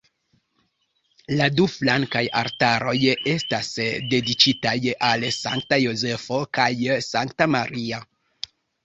La du flankaj altaroj estas dediĉitaj al Sankta Jozefo kaj Sankta Maria.